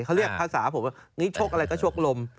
เขาเรียกภาษาผมว่านี่ชกอะไรก็ชกลม